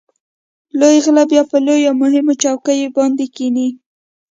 لوی غله بیا په لویو او مهمو چوکیو باندې کېني.